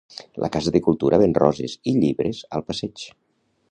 La Casa de cultura ven roses i llibres al passeig.